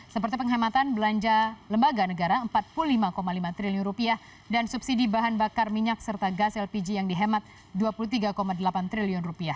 seperti penghematan belanja lembaga negara rp empat puluh lima lima triliun dan subsidi bahan bakar minyak serta gas lpg yang dihemat rp dua puluh tiga delapan triliun